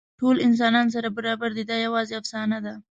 ټول انسانان سره برابر دي، دا یواځې افسانه ده.